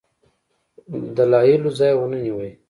دلایلو ځای ونه نیوی.